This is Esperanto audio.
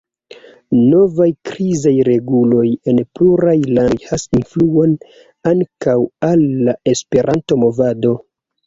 Novaj krizaj reguloj en pluraj landoj havas influon ankaŭ al la Esperanto-movado.